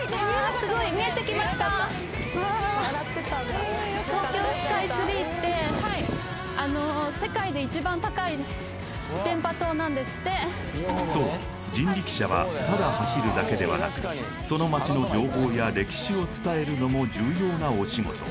すごいなんですってそう人力車はただ走るだけではなくその街の情報や歴史を伝えるのも重要なお仕事